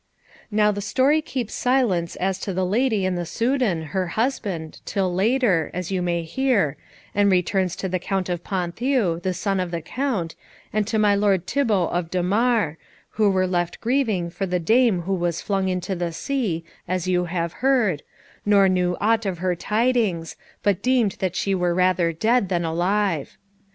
Now the story keeps silence as to the lady and the Soudan, her husband, till later, as you may hear, and returns to the Count of Ponthieu, the son of the Count, and to my lord Thibault of Dommare, who were left grieving for the dame who was flung into the sea, as you have heard, nor knew aught of her tidings, but deemed that she were rather dead than alive.